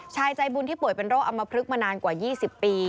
ใจบุญที่ป่วยเป็นโรคอำมพลึกมานานกว่า๒๐ปี